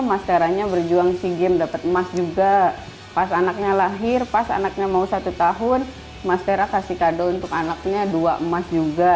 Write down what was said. mas teranya berjuang sea games dapat emas juga pas anaknya lahir pas anaknya mau satu tahun mas tera kasih kado untuk anaknya dua emas juga